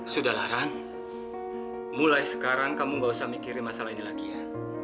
sudahlah run mulai sekarang kamu gak usah mikirin masalah ini lagi ya